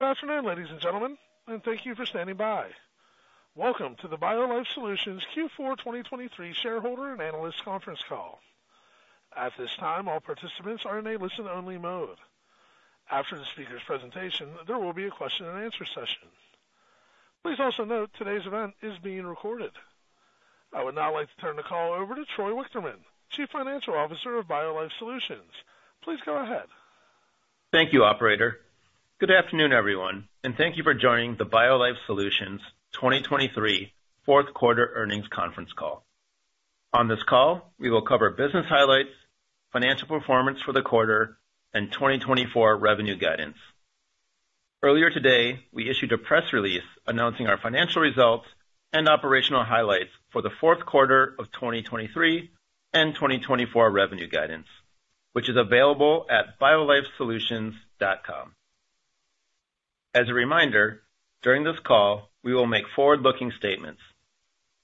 Good afternoon, ladies and gentlemen, and thank you for standing by. Welcome to the BioLife Solutions Q4 2023 Shareholder and Analyst Conference Call. At this time, all participants are in a listen-only mode. After the speaker's presentation, there will be a question and answer session. Please also note today's event is being recorded. I would now like to turn the call over to Troy Wichterman, Chief Financial Officer of BioLife Solutions. Please go ahead. Thank you, operator. Good afternoon, everyone, and thank you for joining the BioLife Solutions 2023 fourth quarter earnings conference call. On this call, we will cover business highlights, financial performance for the quarter, and 2024 revenue guidance. Earlier today, we issued a press release announcing our financial results and operational highlights for the fourth quarter of 2023 and 2024 revenue guidance, which is available at biolifesolutions.com. As a reminder, during this call, we will make forward-looking statements.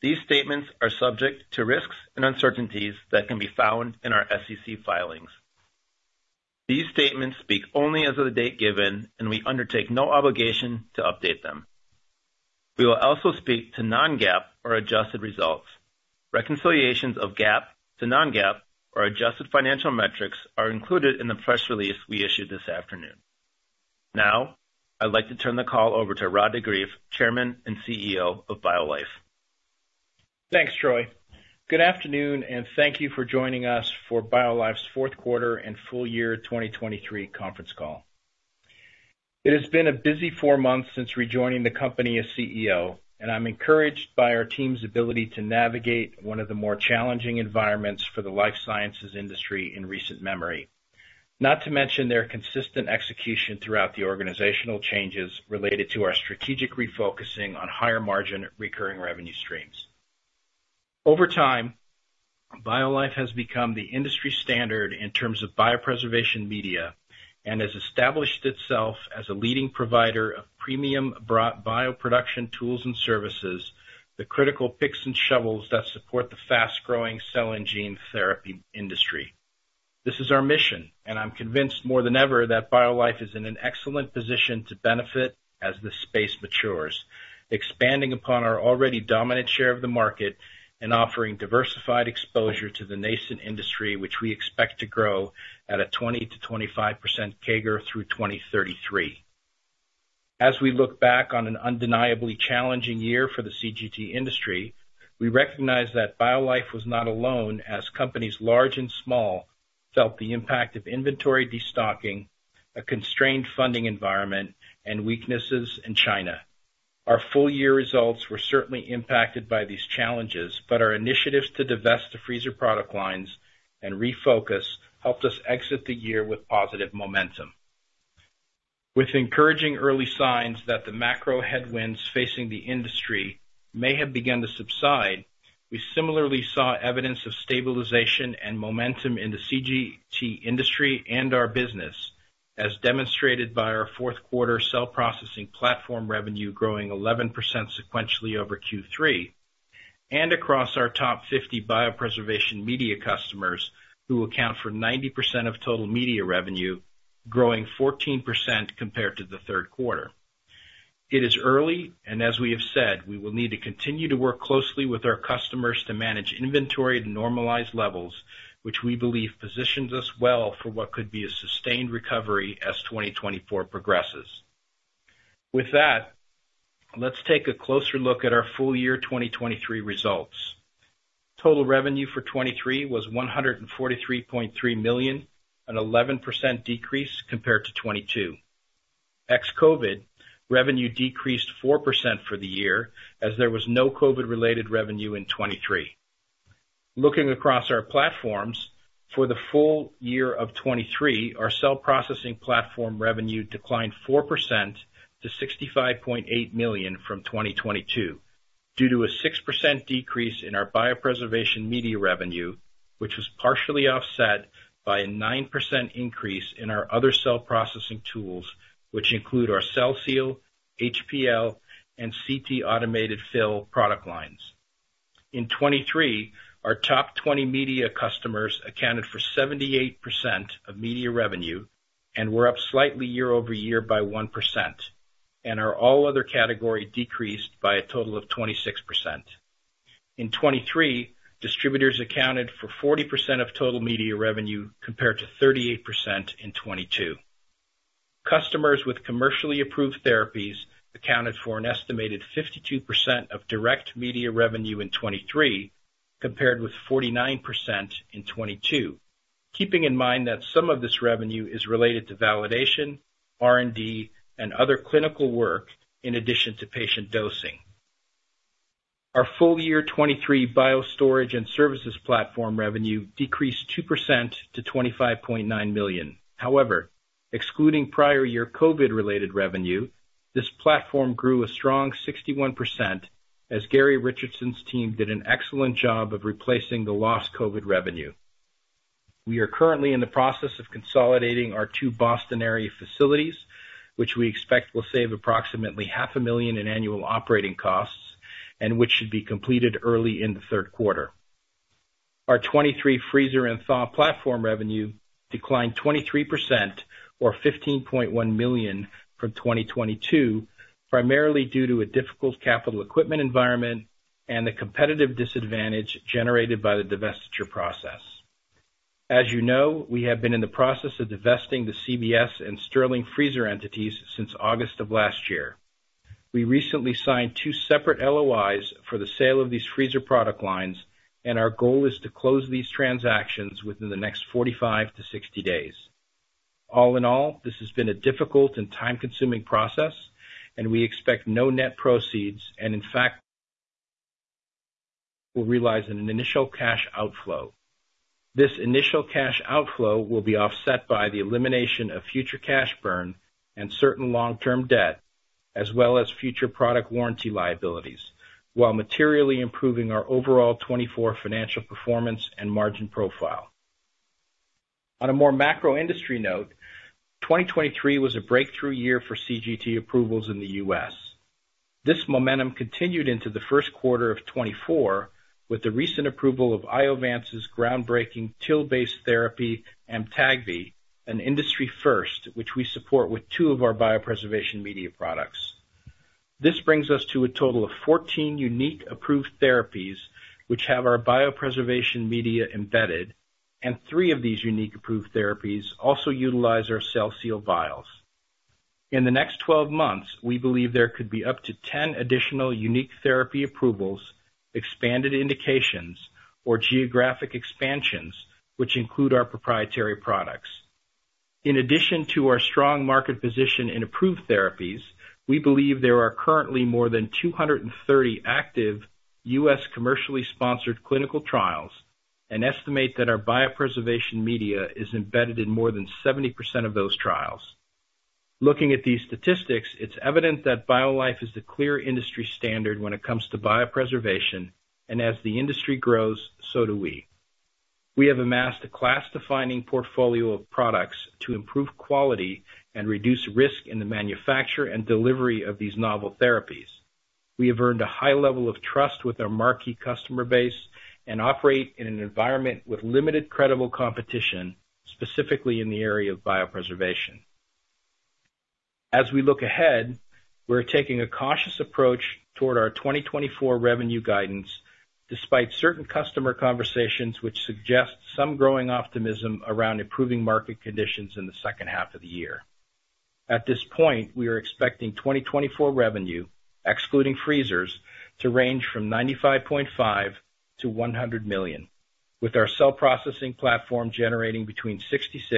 These statements are subject to risks and uncertainties that can be found in our SEC filings. These statements speak only as of the date given, and we undertake no obligation to update them. We will also speak to non-GAAP or adjusted results. Reconciliations of GAAP to non-GAAP or adjusted financial metrics are included in the press release we issued this afternoon. Now, I'd like to turn the call over to Rod de Greef, Chairman and CEO of BioLife. Thanks, Troy. Good afternoon, and thank you for joining us for BioLife's fourth quarter and full year 2023 conference call. It has been a busy four months since rejoining the company as CEO, and I'm encouraged by our team's ability to navigate one of the more challenging environments for the life sciences industry in recent memory. Not to mention their consistent execution throughout the organizational changes related to our strategic refocusing on higher margin recurring revenue streams. Over time, BioLife has become the industry standard in terms of biopreservation media and has established itself as a leading provider of premium bioproduction tools and services, the critical picks and shovels that support the fast-growing cell and gene therapy industry. This is our mission, and I'm convinced more than ever that BioLife is in an excellent position to benefit as this space matures, expanding upon our already dominant share of the market and offering diversified exposure to the nascent industry, which we expect to grow at a 20%-25% CAGR through 2033. As we look back on an undeniably challenging year for the CGT industry, we recognize that BioLife was not alone, as companies large and small felt the impact of inventory destocking, a constrained funding environment, and weaknesses in China. Our full year results were certainly impacted by these challenges, but our initiatives to divest the freezer product lines and refocus helped us exit the year with positive momentum. With encouraging early signs that the macro headwinds facing the industry may have begun to subside, we similarly saw evidence of stabilization and momentum in the CGT industry and our business, as demonstrated by our fourth quarter cell processing platform revenue growing 11% sequentially over Q3, and across our top 50 biopreservation media customers, who account for 90% of total media revenue, growing 14% compared to the third quarter. It is early, and as we have said, we will need to continue to work closely with our customers to manage inventory at normalized levels, which we believe positions us well for what could be a sustained recovery as 2024 progresses. With that, let's take a closer look at our full year 2023 results. Total revenue for 2023 was $143.3 million, an 11% decrease compared to 2022. Ex-COVID, revenue decreased 4% for the year as there was no COVID-related revenue in 2023. Looking across our platforms, for the full year of 2023, our cell processing platform revenue declined 4% to $65.8 million from 2022, due to a 6% decrease in our biopreservation media revenue, which was partially offset by a 9% increase in our other cell processing tools, which include our CellSeal, hPL, and CT automated fill product lines. In 2023, our top 20 media customers accounted for 78% of media revenue and were up slightly year-over-year by 1%, and our all other category decreased by a total of 26%. In 2023, distributors accounted for 40% of total media revenue, compared to 38% in 2022. Customers with commercially approved therapies accounted for an estimated 52% of direct media revenue in 2023, compared with 49% in 2022. Keeping in mind that some of this revenue is related to validation, R&D, and other clinical work, in addition to patient dosing. Our full year 2023 biostorage and services platform revenue decreased 2% to $25.9 million. However, excluding prior year COVID-related revenue, this platform grew a strong 61%, as Garrie Richardson's team did an excellent job of replacing the lost COVID revenue. We are currently in the process of consolidating our two Boston area facilities, which we expect will save approximately $500,000 in annual operating costs and which should be completed early in the third quarter. Our 2023 freezer and thaw platform revenue declined 23% or $15.1 million from 2022, primarily due to a difficult capital equipment environment and the competitive disadvantage generated by the divestiture process. As you know, we have been in the process of divesting the CBS and Stirling freezer entities since August of last year. We recently signed two separate LOIs for the sale of these freezer product lines, and our goal is to close these transactions within the next 45-60 days. All in all, this has been a difficult and time-consuming process, and we expect no net proceeds, and in fact, will realize an initial cash outflow. This initial cash outflow will be offset by the elimination of future cash burn and certain long-term debt, as well as future product warranty liabilities, while materially improving our overall 2024 financial performance and margin profile. On a more macro industry note, 2023 was a breakthrough year for CGT approvals in the U.S. This momentum continued into the first quarter of 2024, with the recent approval of Iovance's groundbreaking TIL-based therapy, AMTAGVI, an industry first, which we support with two of our biopreservation media products. This brings us to a total of 14 unique approved therapies, which have our biopreservation media embedded, and three of these unique approved therapies also utilize our CellSeal vials. In the next 12 months, we believe there could be up to 10 additional unique therapy approvals, expanded indications, or geographic expansions, which include our proprietary products. In addition to our strong market position in approved therapies, we believe there are currently more than 230 active U.S. commercially sponsored clinical trials, and estimate that our biopreservation media is embedded in more than 70% of those trials. Looking at these statistics, it's evident that BioLife is the clear industry standard when it comes to biopreservation, and as the industry grows, so do we. We have amassed a class-defining portfolio of products to improve quality and reduce risk in the manufacture and delivery of these novel therapies. We have earned a high level of trust with our marquee customer base and operate in an environment with limited credible competition, specifically in the area of biopreservation. As we look ahead, we're taking a cautious approach toward our 2024 revenue guidance, despite certain customer conversations, which suggest some growing optimism around improving market conditions in the second half of the year. At this point, we are expecting 2024 revenue, excluding freezers, to range from $95.5 million-$100 million, with our cell processing platform generating between $66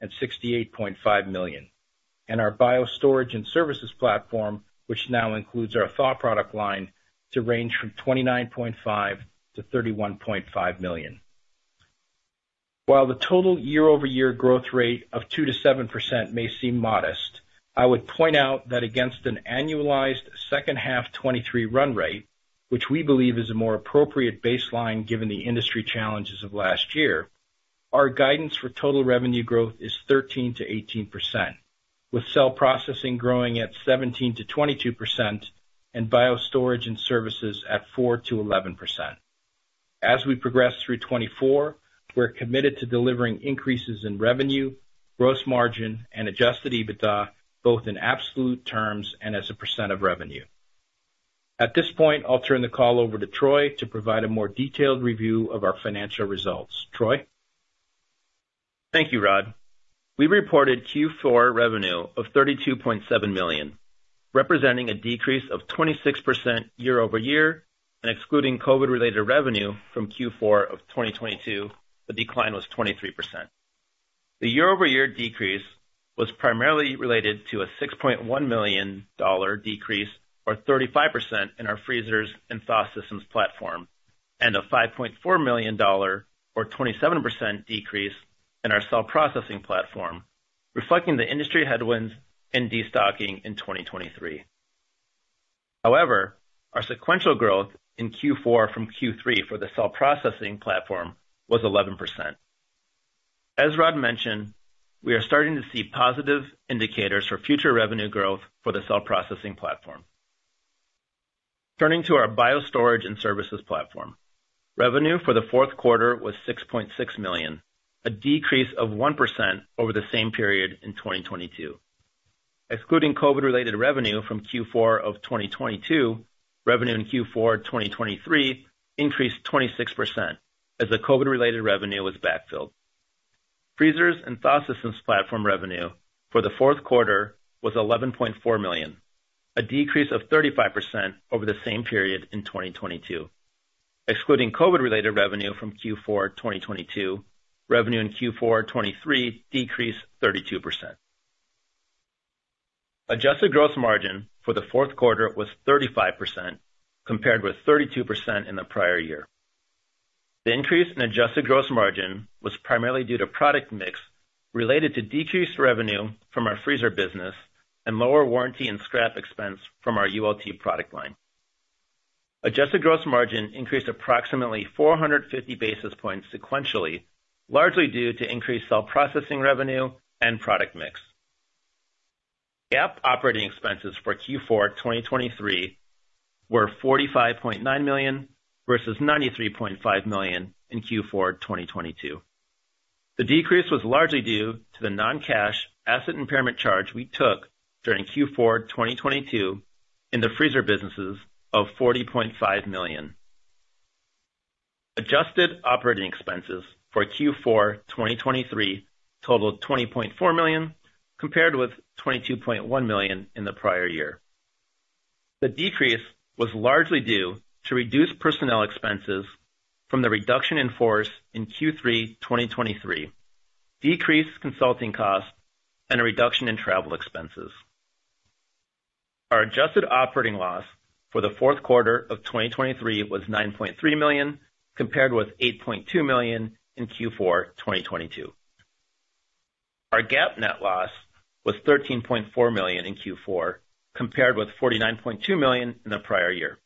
million-$68.5 million, and our biostorage and services platform, which now includes our thaw product line, to range from $29.5 million-$31.5 million. While the total year-over-year growth rate of 2%-7% may seem modest, I would point out that against an annualized second half 2023 run rate, which we believe is a more appropriate baseline given the industry challenges of last year, our guidance for total revenue growth is 13%-18%, with cell processing growing at 17%-22% and biostorage and services at 4%-11%. As we progress through 2024, we're committed to delivering increases in revenue, gross margin, and adjusted EBITDA, both in absolute terms and as a percent of revenue. At this point, I'll turn the call over to Troy to provide a more detailed review of our financial results. Troy? Thank you, Rod. We reported Q4 revenue of $32.7 million, representing a decrease of 26% year-over-year, and excluding COVID-related revenue from Q4 of 2022, the decline was 23%. The year-over-year decrease was primarily related to a $6.1 million decrease, or 35% in our freezers and thaw systems platform, and a $5.4 million, or 27% decrease in our cell processing platform, reflecting the industry headwinds and destocking in 2023. However, our sequential growth in Q4 from Q3 for the cell processing platform was 11%. As Rod mentioned, we are starting to see positive indicators for future revenue growth for the cell processing platform. Turning to our biostorage and services platform. Revenue for the fourth quarter was $6.6 million, a decrease of 1% over the same period in 2022. Excluding COVID-related revenue from Q4 of 2022, revenue in Q4 2023 increased 26%, as the COVID-related revenue was backfilled. Freezers and thaw systems platform revenue for the fourth quarter was $11.4 million, a decrease of 35% over the same period in 2022. Excluding COVID-related revenue from Q4 2022, revenue in Q4 2023 decreased 32%. Adjusted gross margin for the fourth quarter was 35%, compared with 32% in the prior year. The increase in adjusted gross margin was primarily due to product mix related to decreased revenue from our freezer business and lower warranty and scrap expense from our ULT product line. Adjusted gross margin increased approximately 450 basis points sequentially, largely due to increased cell processing revenue and product mix. GAAP operating expenses for Q4 2023 were $45.9 million versus $93.5 million in Q4 2022. The decrease was largely due to the non-cash asset impairment charge we took during Q4 2022 in the freezer businesses of $40.5 million. Adjusted operating expenses for Q4 2023 totaled $20.4 million, compared with $22.1 million in the prior year. The decrease was largely due to reduced personnel expenses from the reduction in force in Q3 2023, decreased consulting costs, and a reduction in travel expenses. Our adjusted operating loss for the fourth quarter of 2023 was $9.3 million, compared with $8.2 million in Q4 2022. Our GAAP net loss was $13.4 million in Q4, compared with $49.2 million in the prior year.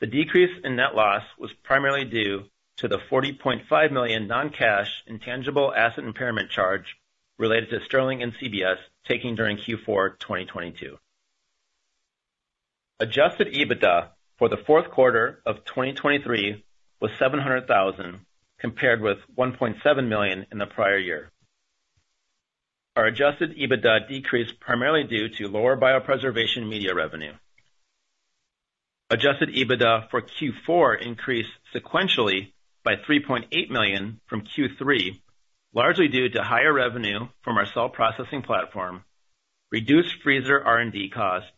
The decrease in net loss was primarily due to the $40.5 million non-cash intangible asset impairment charge related to Stirling and CBS taking during Q4 2022. Adjusted EBITDA for the fourth quarter of 2023 was $700,000, compared with $1.7 million in the prior year. Our adjusted EBITDA decreased primarily due to lower biopreservation media revenue. Adjusted EBITDA for Q4 increased sequentially by $3.8 million from Q3, largely due to higher revenue from our cell processing platform, reduced freezer R&D costs,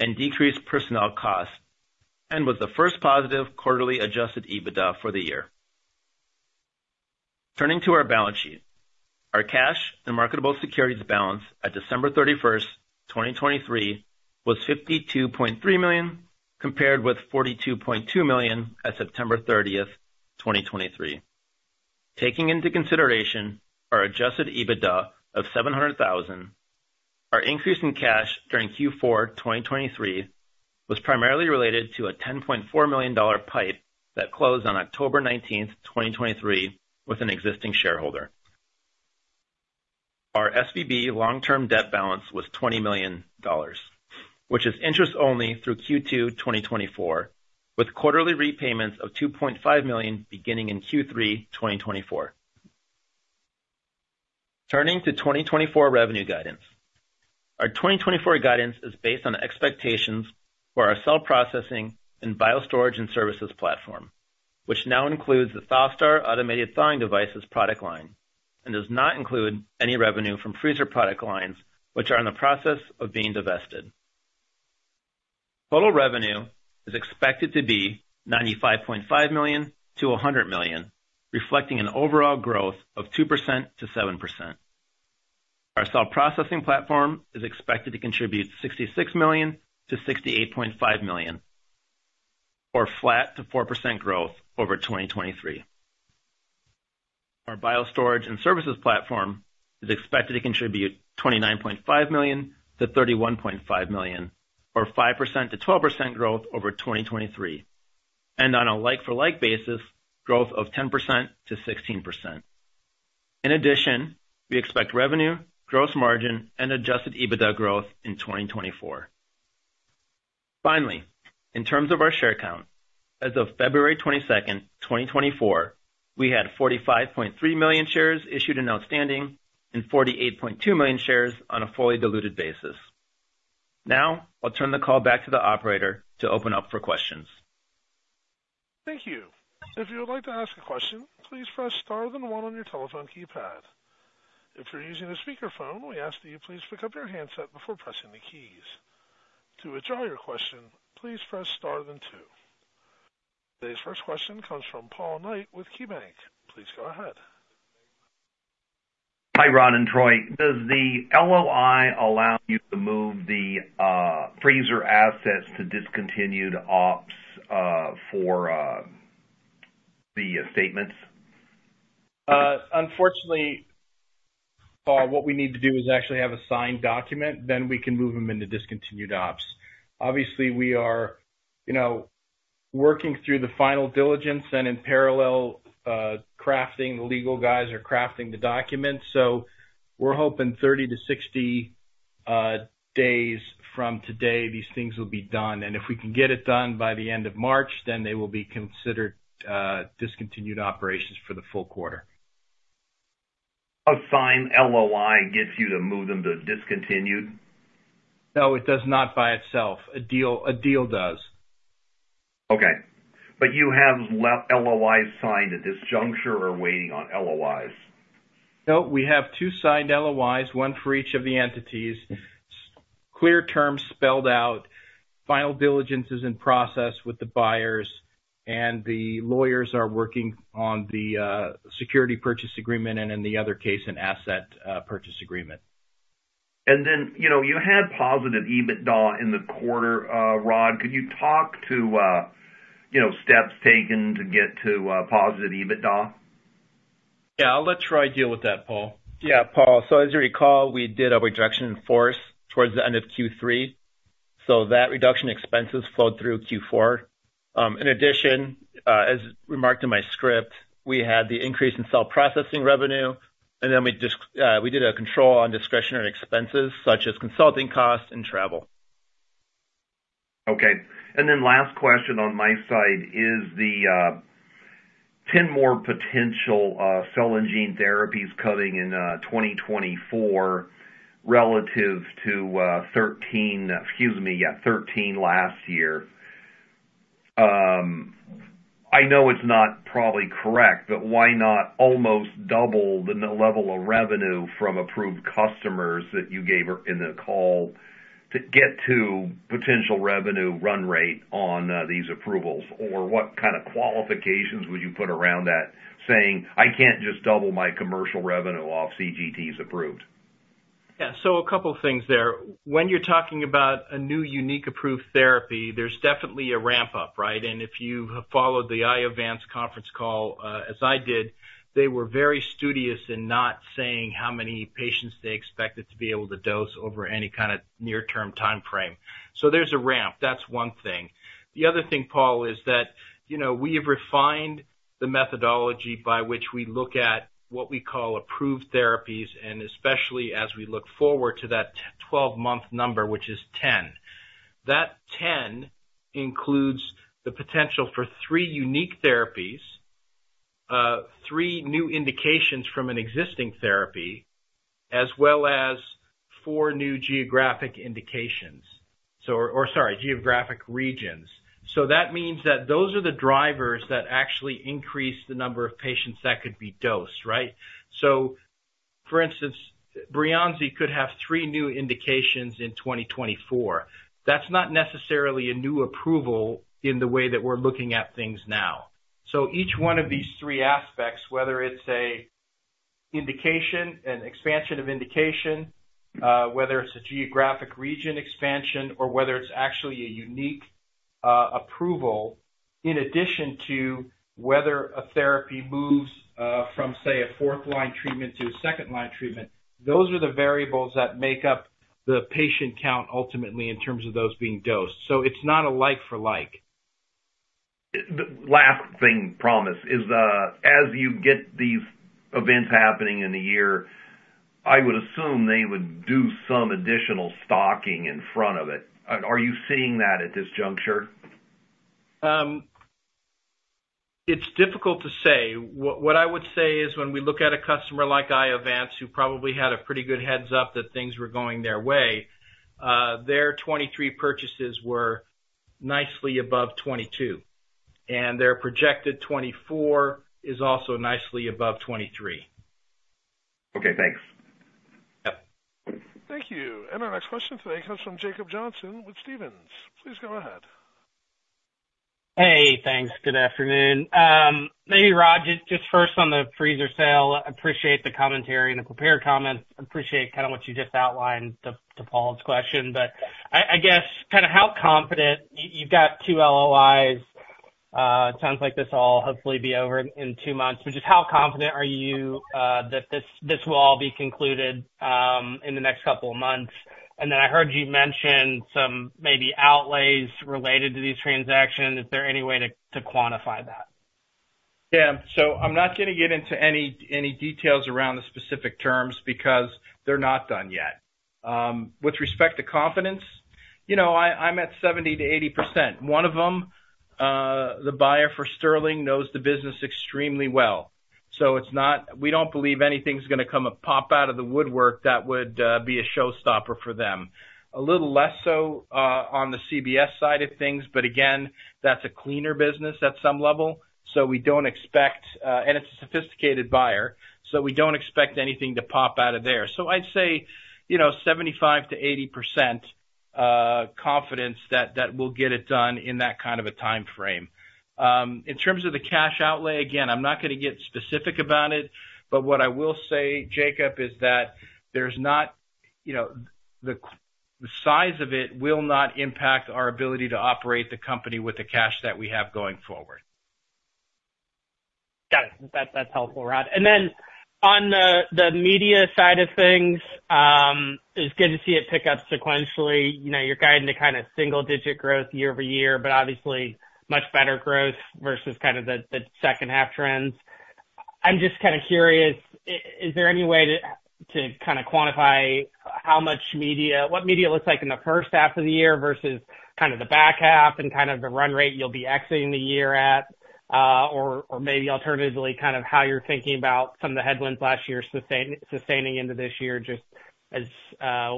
and decreased personnel costs, and was the first positive quarterly adjusted EBITDA for the year. Turning to our balance sheet. Our cash and marketable securities balance at December 31st, 2023, was $52.3 million, compared with $42.2 million at September 30th, 2023. Taking into consideration our adjusted EBITDA of $700,000, our increase in cash during Q4 2023 was primarily related to a $10.4 million PIPE that closed on October 19th, 2023, with an existing shareholder. Our SVB long-term debt balance was $20 million, which is interest-only through Q2 2024, with quarterly repayments of $2.5 million beginning in Q3 2024. Turning to 2024 revenue guidance. Our 2024 guidance is based on expectations for our cell processing and biostorage and services platform, which now includes the ThawSTAR automated thawing devices product line, and does not include any revenue from freezer product lines, which are in the process of being divested. Total revenue is expected to be $95.5 million-$100 million, reflecting an overall growth of 2%-7%. Our cell processing platform is expected to contribute $66 million-$68.5 million, or flat to 4% growth over 2023. Our biostorage and services platform is expected to contribute $29.5 million-$31.5 million, or 5%-12% growth over 2023, and on a like-for-like basis, growth of 10%-16%. In addition, we expect revenue, gross margin, and adjusted EBITDA growth in 2024. Finally, in terms of our share count, as of February 22nd, 2024, we had 45.3 million shares issued and outstanding, and 48.2 million shares on a fully diluted basis. Now, I'll turn the call back to the operator to open up for questions. Thank you. If you would like to ask a question, please press star then one on your telephone keypad. If you're using a speakerphone, we ask that you please pick up your handset before pressing the keys. To withdraw your question, please press star then two. Today's first question comes from Paul Knight with KeyBanc. Please go ahead. Hi, Rod and Troy. Does the LOI allow you to move the freezer assets to discontinued ops for the statements? Unfortunately, Paul, what we need to do is actually have a signed document, then we can move them into discontinued ops. Obviously, we are, you know, working through the final diligence and in parallel, crafting, the legal guys are crafting the documents, so we're hoping 30-60 days from today, these things will be done, and if we can get it done by the end of March, then they will be considered discontinued operations for the full quarter. A signed LOI gets you to move them to discontinued? No, it does not by itself. A deal, a deal does. Okay. But you have LOIs signed at this juncture or waiting on LOIs? No, we have two signed LOIs, one for each of the entities. Clear terms spelled out, final diligence is in process with the buyers, and the lawyers are working on the security purchase agreement, and in the other case, an asset purchase agreement. Then, you know, you had positive EBITDA in the quarter. Rod, could you talk to, you know, steps taken to get to positive EBITDA? Yeah, I'll let Troy deal with that, Paul. Yeah, Paul. So as you recall, we did a reduction in force towards the end of Q3. So that reduction in expenses flowed through Q4. In addition, as remarked in my script, we had the increase in cell processing revenue, and then we just, we did a control on discretionary expenses such as consulting costs and travel. Okay. And then last question on my side is the 10 more potential cell and gene therapies coming in 2024 relative to 13, excuse me, yeah, 13 last year. I know it's not probably correct, but why not almost double the net level of revenue from approved customers that you gave her in the call to get to potential revenue run rate on these approvals? Or what kind of qualifications would you put around that saying, "I can't just double my commercial revenue off CGT's approved?" Yeah, so a couple of things there. When you're talking about a new unique approved therapy, there's definitely a ramp-up, right? And if you have followed the Iovance conference call, as I did, they were very studious in not saying how many patients they expected to be able to dose over any kind of near-term timeframe. So there's a ramp. That's one thing. The other thing, Paul, is that, you know, we have refined the methodology by which we look at what we call approved therapies, and especially as we look forward to that 12-month number, which is 10. That 10 includes the potential for three unique therapies, three new indications from an existing therapy, as well as four new geographic indications. So, or sorry, geographic regions. So that means that those are the drivers that actually increase the number of patients that could be dosed, right? So for instance, Breyanzi could have three new indications in 2024. That's not necessarily a new approval in the way that we're looking at things now. So each one of these three aspects, whether it's an indication, an expansion of indication, whether it's a geographic region expansion, or whether it's actually a unique approval, in addition to whether a therapy moves from, say, a fourth-line treatment to a second-line treatment, those are the variables that make up the patient count ultimately in terms of those being dosed. So it's not a like for like. The last thing, promise, is as you get these events happening in the year, I would assume they would do some additional stocking in front of it. Are you seeing that at this juncture? It's difficult to say. What I would say is when we look at a customer like Iovance, who probably had a pretty good heads up that things were going their way, their 2023 purchases were nicely above 2022, and their projected 2024 is also nicely above 2023. Okay, thanks. Yep. Thank you. Our next question today comes from Jacob Johnson with Stephens. Please go ahead. Hey, thanks. Good afternoon. Maybe, Rod, just, just first on the freezer sale, appreciate the commentary and the prepared comments. Appreciate kinda what you just outlined to, to Paul's question, but I, I guess kinda how confident, you, you've got two LOIs. It sounds like this all hopefully be over in two months, but just how confident are you, that this, this will all be concluded, in the next couple of months? And then I heard you mention some maybe outlays related to these transactions. Is there any way to, to quantify that? Yeah. So I'm not gonna get into any, any details around the specific terms because they're not done yet. With respect to confidence, you know, I, I'm at 70%-80%. One of them, the buyer for Stirling knows the business extremely well. So it's not, we don't believe anything's gonna come and pop out of the woodwork that would be a showstopper for them. A little less so on the CBS side of things, but again, that's a cleaner business at some level, so we don't expect. And it's a sophisticated buyer, so we don't expect anything to pop out of there. So I'd say, you know, 75%-80% confidence that, that we'll get it done in that kind of a timeframe. In terms of the cash outlay, again, I'm not gonna get specific about it, but what I will say, Jacob, is that there's not, you know, the, the size of it will not impact our ability to operate the company with the cash that we have going forward. Got it. That, that's helpful, Rod. And then on the, the media side of things, it's good to see it pick up sequentially. You know, you're guiding to kinda single-digit growth year-over-year, but obviously much better growth versus kind of the, the second half trends. I'm just kinda curious, is there any way to, to kinda quantify how much media, what media looks like in the first half of the year versus kind of the back half and kind of the run rate you'll be exiting the year at? Or, or maybe alternatively, kind of how you're thinking about some of the headwinds last year sustaining into this year, just as,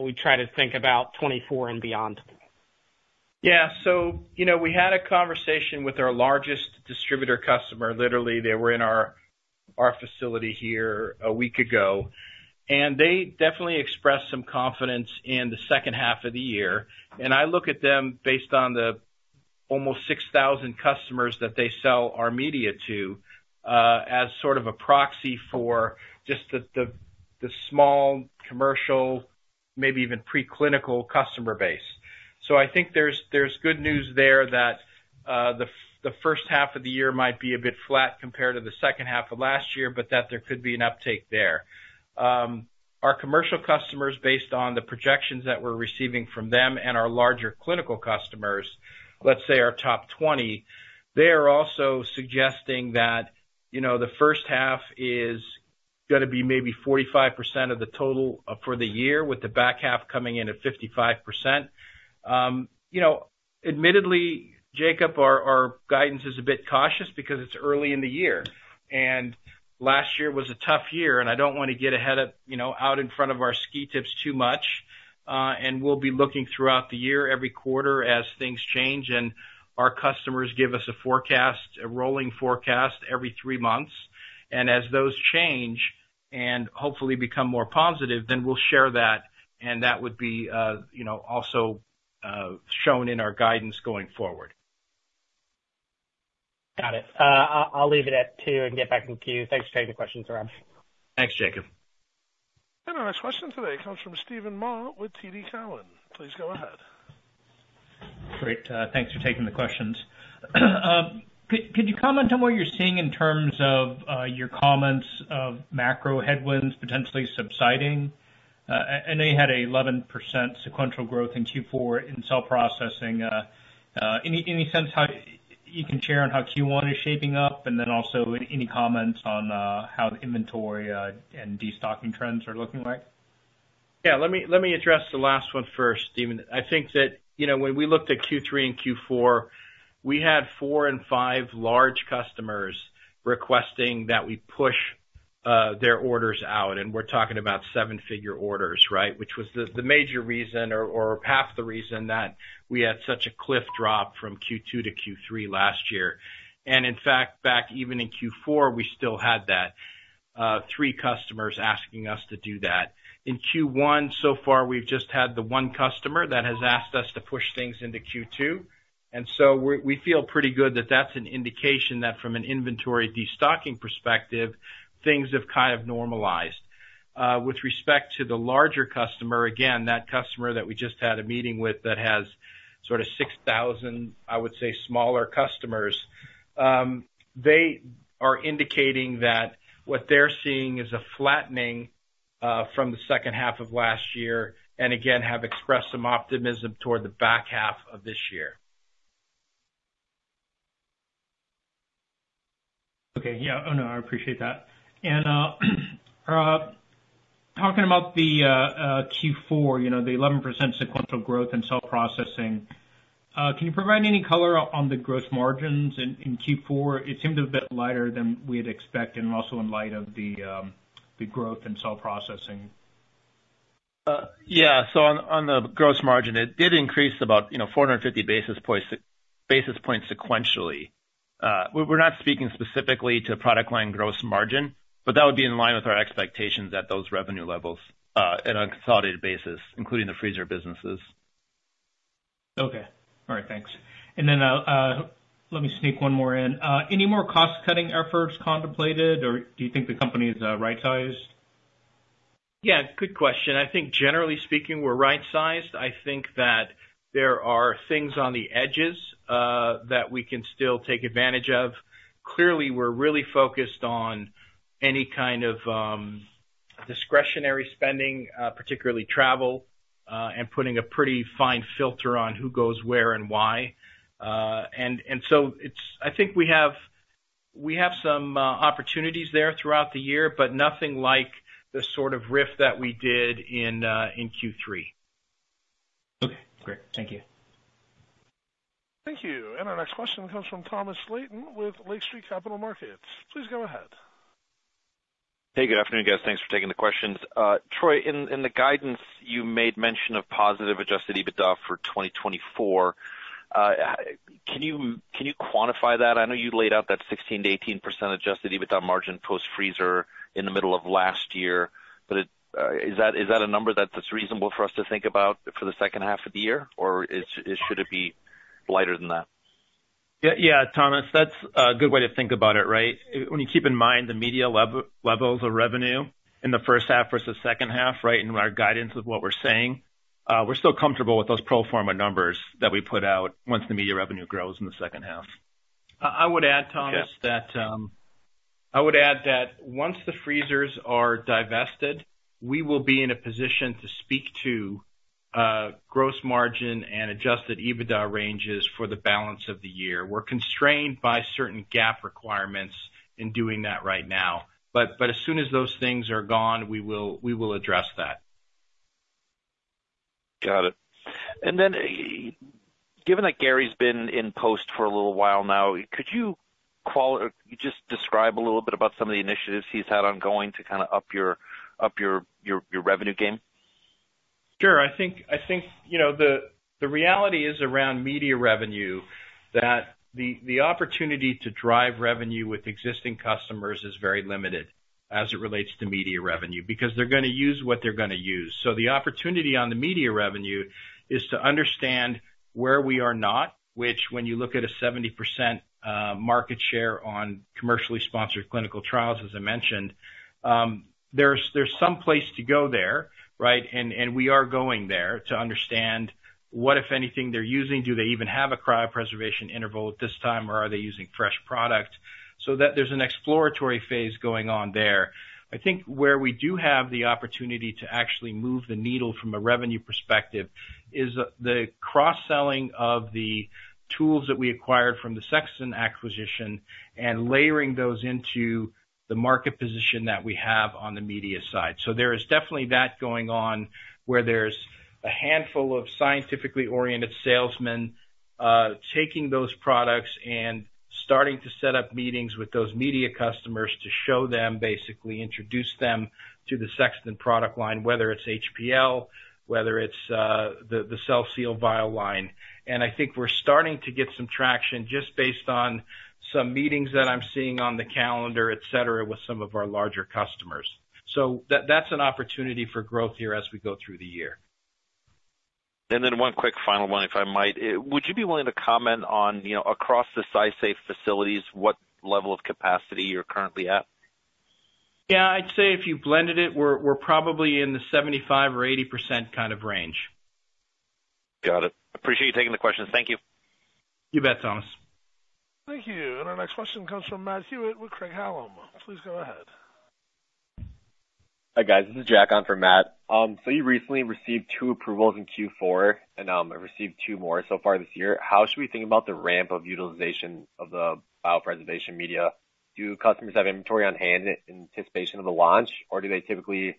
we try to think about 2024 and beyond. Yeah. So, you know, we had a conversation with our largest distributor customer. Literally, they were in our facility here a week ago, and they definitely expressed some confidence in the second half of the year. And I look at them based on the almost 6,000 customers that they sell our media to, as sort of a proxy for just the small commercial, maybe even preclinical customer base. So I think there's good news there that the first half of the year might be a bit flat compared to the second half of last year, but that there could be an uptake there. Our commercial customers, based on the projections that we're receiving from them and our larger clinical customers, let's say our top 20, they are also suggesting that, you know, the first half is gonna be maybe 45% of the total, for the year, with the back half coming in at 55%. You know, admittedly, Jacob, our, our guidance is a bit cautious because it's early in the year, and last year was a tough year, and I don't want to get ahead of, you know, out in front of our ski tips too much. And we'll be looking throughout the year, every quarter as things change, and our customers give us a forecast, a rolling forecast every three months. As those change and hopefully become more positive, then we'll share that, and that would be, you know, also shown in our guidance going forward. Got it. I'll leave it at two and get back in queue. Thanks for taking the question, Rod. Thanks, Jacob. Our next question today comes from Steven Mah with TD Cowen. Please go ahead. Great, thanks for taking the questions. Could you comment on what you're seeing in terms of your comments of macro headwinds potentially subsiding? And they had an 11% sequential growth in Q4 in cell processing. Any sense how you can share on how Q1 is shaping up? And then also, any comments on how the inventory and destocking trends are looking like? Yeah, let me, let me address the last one first, Steven. I think that, you know, when we looked at Q3 and Q4, we had four and five large customers requesting that we push their orders out, and we're talking about seven-figure orders, right? Which was the, the major reason or, or half the reason that we had such a cliff drop from Q2 to Q3 last year. And in fact, back even in Q4, we still had that three customers asking us to do that. In Q1, so far, we've just had the one customer that has asked us to push things into Q2, and so we, we feel pretty good that that's an indication that from an inventory destocking perspective, things have kind of normalized. With respect to the larger customer, again, that customer that we just had a meeting with that has sort of 6,000, I would say, smaller customers, they are indicating that what they're seeing is a flattening from the second half of last year, and again, have expressed some optimism toward the back half of this year. Okay. Yeah, oh, no, I appreciate that. And, talking about the, Q4, you know, the 11% sequential growth in cell processing, can you provide any color on the gross margins in, in Q4? It seemed a bit lighter than we had expected, and also in light of the, the growth in cell processing. Yeah. So on the gross margin, it did increase about, you know, 450 basis points sequentially. We're not speaking specifically to product line gross margin, but that would be in line with our expectations at those revenue levels, and on a consolidated basis, including the freezer businesses. Okay. All right. Thanks. And then, let me sneak one more in. Any more cost-cutting efforts contemplated, or do you think the company is right-sized? Yeah, good question. I think generally speaking, we're right-sized. I think that there are things on the edges that we can still take advantage of. Clearly, we're really focused on any kind of discretionary spending, particularly travel, and putting a pretty fine filter on who goes where and why. And so it's, I think we have some opportunities there throughout the year, but nothing like the sort of RIF that we did in Q3. Okay, great. Thank you. Thank you. Our next question comes from Thomas Flaten with Lake Street Capital Markets. Please go ahead. Hey, good afternoon, guys. Thanks for taking the questions. Troy, in the guidance, you made mention of positive adjusted EBITDA for 2024. Can you quantify that? I know you laid out that 16%-18% adjusted EBITDA margin post-freezer in the middle of last year, but is that a number that's reasonable for us to think about for the second half of the year, or should it be lighter than that? Yeah, yeah, Thomas, that's a good way to think about it, right? When you keep in mind the media levels of revenue in the first half versus the second half, right, and our guidance is what we're saying, we're still comfortable with those pro forma numbers that we put out once the media revenue grows in the second half. I would add, Thomas. Yeah. That, I would add that once the freezers are divested, we will be in a position to speak to gross margin and adjusted EBITDA ranges for the balance of the year. We're constrained by certain GAAP requirements in doing that right now, but as soon as those things are gone, we will address that. Got it. And then, given that Garrie's been in post for a little while now, could you just describe a little bit about some of the initiatives he's had ongoing to kind of up your revenue game? Sure. I think, I think, you know, the, the reality is around media revenue, that the, the opportunity to drive revenue with existing customers is very limited as it relates to media revenue, because they're gonna use what they're gonna use. So the opportunity on the media revenue is to understand where we are not, which when you look at a 70% market share on commercially sponsored clinical trials, as I mentioned, there's, there's some place to go there, right? And, and we are going there to understand what, if anything, they're using. Do they even have a cryopreservation interval at this time, or are they using fresh product? So that there's an exploratory phase going on there. I think where we do have the opportunity to actually move the needle from a revenue perspective, is the cross-selling of the tools that we acquired from the Sexton acquisition and layering those into the market position that we have on the media side. So there is definitely that going on, where there's a handful of scientifically oriented salesmen taking those products and starting to set up meetings with those media customers to show them, basically introduce them to the Sexton product line, whether it's hPL, whether it's the CellSeal vial line. And I think we're starting to get some traction just based on some meetings that I'm seeing on the calendar, et cetera, with some of our larger customers. So that's an opportunity for growth here as we go through the year. One quick final one, if I might. Would you be willing to comment on, you know, across the SciSafe facilities, what level of capacity you're currently at? Yeah, I'd say if you blended it, we're probably in the 75% or 80% kind of range. Got it. Appreciate you taking the questions. Thank you. You bet, Thomas. Thank you. Our next question comes from Matt Hewitt with Craig-Hallum. Please go ahead. Hi, guys. This is Jack on for Matt. You recently received two approvals in Q4 and have received two more so far this year. How should we think about the ramp of utilization of the biopreservation media? Do customers have inventory on hand in anticipation of the launch, or do they typically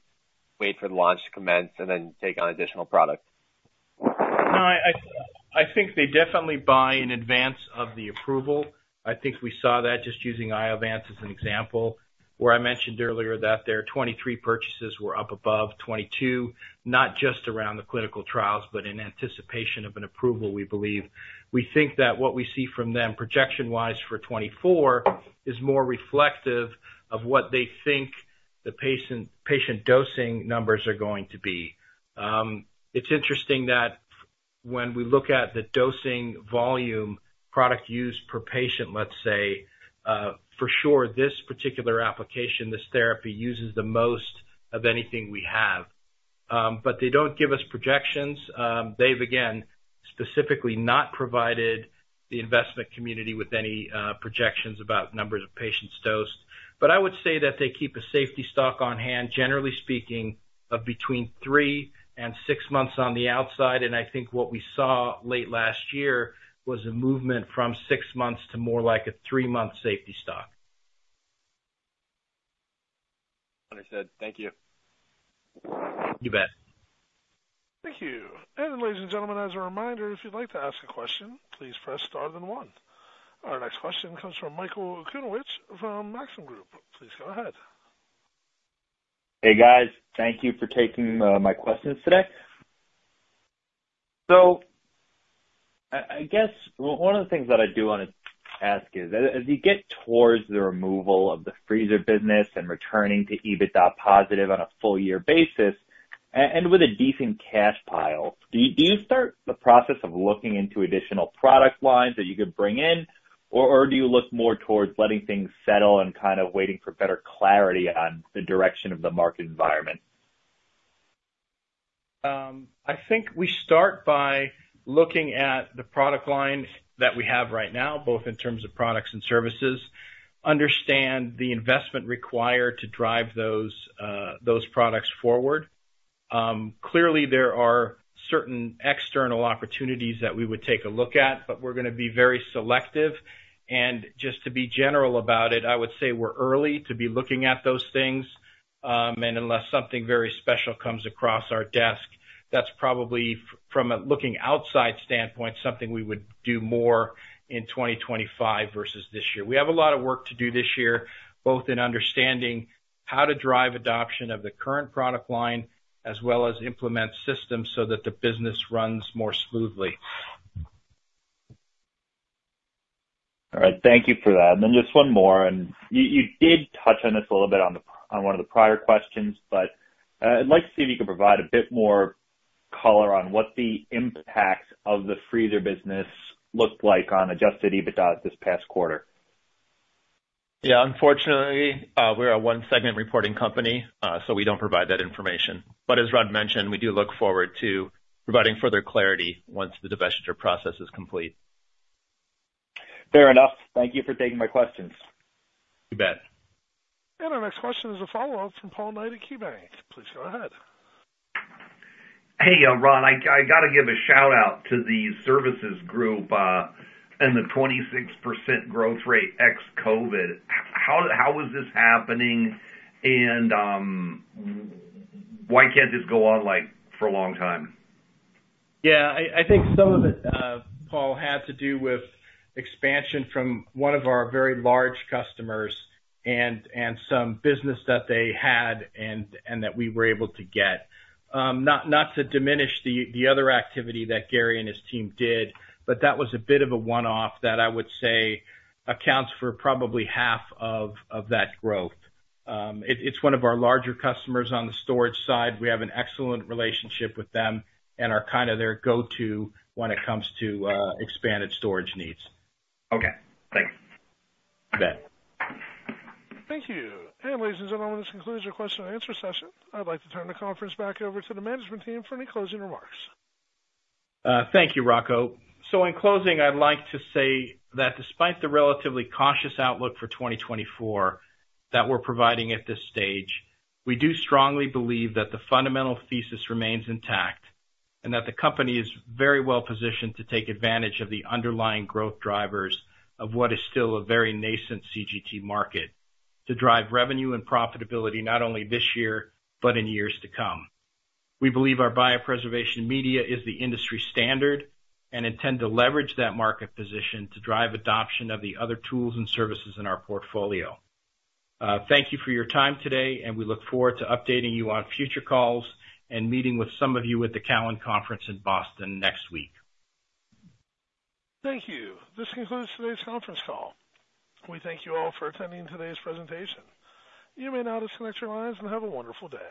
wait for the launch to commence and then take on additional product? No, I think they definitely buy in advance of the approval. I think we saw that just using Iovance as an example, where I mentioned earlier that their 2023 purchases were up above 2022, not just around the clinical trials, but in anticipation of an approval, we believe. We think that what we see from them, projection-wise for 2024, is more reflective of what they think the patient dosing numbers are going to be. It's interesting that when we look at the dosing volume product used per patient, let's say, for sure, this particular application, this therapy, uses the most of anything we have. But they don't give us projections. They've, again, specifically not provided the investment community with any projections about numbers of patients dosed. But I would say that they keep a safety stock on hand, generally speaking, of between three and six months on the outside, and I think what we saw late last year was a movement from six months to more like a three-month safety stock. Understood. Thank you. You bet. Thank you. Ladies and gentlemen, as a reminder, if you'd like to ask a question, please press star then one. Our next question comes from Michael Okunewitch from Maxim Group. Please go ahead. Hey, guys. Thank you for taking my questions today. So I guess one of the things that I do want to ask is, as you get towards the removal of the freezer business and returning to EBITDA positive on a full year basis, and with a decent cash pile, do you start the process of looking into additional product lines that you could bring in, or do you look more towards letting things settle and kind of waiting for better clarity on the direction of the market environment? I think we start by looking at the product line that we have right now, both in terms of products and services, understand the investment required to drive those products forward. Clearly, there are certain external opportunities that we would take a look at, but we're going to be very selective. And just to be general about it, I would say we're early to be looking at those things, and unless something very special comes across our desk, that's probably from a looking outside standpoint, something we would do more in 2025 versus this year. We have a lot of work to do this year, both in understanding how to drive adoption of the current product line, as well as implement systems so that the business runs more smoothly. All right, thank you for that. And then just one more, and you, you did touch on this a little bit on the, on one of the prior questions, but, I'd like to see if you could provide a bit more color on what the impact of the freezer business looked like on adjusted EBITDA this past quarter. Yeah, unfortunately, we're a one-segment reporting company, so we don't provide that information. But as Rod mentioned, we do look forward to providing further clarity once the divestiture process is complete. Fair enough. Thank you for taking my questions. You bet. Our next question is a follow-up from Paul Knight at KeyBanc. Please go ahead. Hey, Rod, I gotta give a shout out to the services group and the 26% growth rate ex-COVID. How is this happening, and why can't this go on, like, for a long time? Yeah, I think some of it, Paul, had to do with expansion from one of our very large customers and some business that they had and that we were able to get. Not to diminish the other activity that Garrie and his team did, but that was a bit of a one-off that I would say accounts for probably half of that growth. It's one of our larger customers on the storage side. We have an excellent relationship with them and are kind of their go-to when it comes to expanded storage needs. Okay, thanks. You bet. Thank you. Ladies and gentlemen, this concludes our question and answer session. I'd like to turn the conference back over to the management team for any closing remarks. Thank you, Rocco. In closing, I'd like to say that despite the relatively cautious outlook for 2024 that we're providing at this stage, we do strongly believe that the fundamental thesis remains intact, and that the company is very well positioned to take advantage of the underlying growth drivers of what is still a very nascent CGT market, to drive revenue and profitability not only this year, but in years to come. We believe our biopreservation media is the industry standard and intend to leverage that market position to drive adoption of the other tools and services in our portfolio. Thank you for your time today, and we look forward to updating you on future calls and meeting with some of you at the Cowen Conference in Boston next week. Thank you. This concludes today's conference call. We thank you all for attending today's presentation. You may now disconnect your lines, and have a wonderful day.